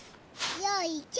よいしょ。